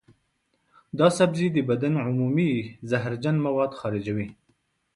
دا سبزی د بدن عمومي زهرجن مواد خارجوي.